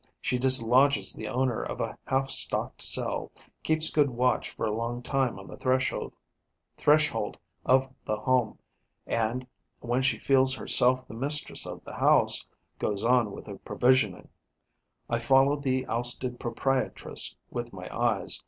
She dislodges the owner of a half stocked cell, keeps good watch for a long time on the threshold of the home and, when she feels herself the mistress of the house, goes on with the provisioning. I follow the ousted proprietress with my eyes.